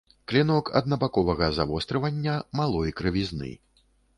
Клінок аднабаковага завострывання, малой крывізны.